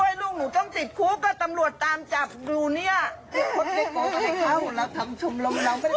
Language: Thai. อาจารย์ลูกหนูต้องติดคุกกับตำรวจตามจับดูเนี่ย